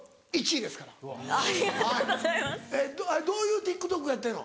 どういうＴｉｋＴｏｋやってるの？